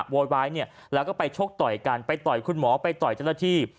โวยวายแล้วก็ไปชกต่อยกันไปต่อยคุณหมอไปต่อยเจ้าหน้าที่